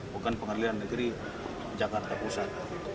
bukan pengadilan negeri jakarta pusat